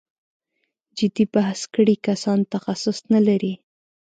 جدي بحث کړی کسان تخصص نه لري.